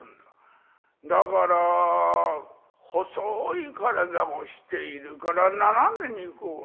だから細い体をしているから斜めにこう。